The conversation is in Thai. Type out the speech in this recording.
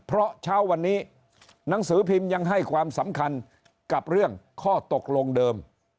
เพราะเช้าวันนี้หนังสือพิมพ์ยังให้ความสำคัญกับเรื่องข้อตกลงเดิม